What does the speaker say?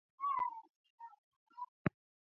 Kinyume chake upande wa kusini mpakani mwa